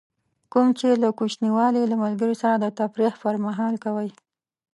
کوم چې له کوچنیوالي له ملګري سره د تفریح پر مهال کوئ.